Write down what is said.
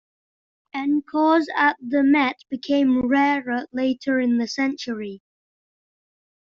Encores at the Met became rarer later in the century.